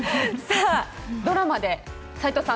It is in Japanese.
ドラマで斎藤さん